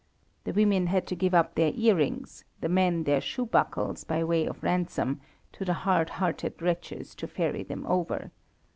The women had to give up their earrings, the men their shoe buckles by way of ransom, to the hard hearted wretches to ferry them over.